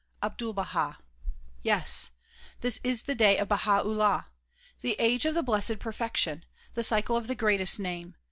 Ahdul Baha— Yes!— TJiis is the day of Baha 'Ullah; the age of the Blessed Perfection; the cycle of the Greatest Name.